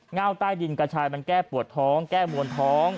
่าใต้ดินกระชายมันแก้ปวดท้องแก้มวลท้อง